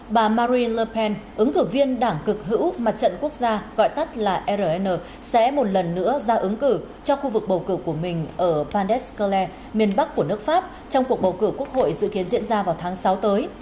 bà marine le penn ứng cử viên đảng cực hữu mặt trận quốc gia gọi tắt là rn sẽ một lần nữa ra ứng cử cho khu vực bầu cử của mình ở pandescale miền bắc của nước pháp trong cuộc bầu cử quốc hội dự kiến diễn ra vào tháng sáu tới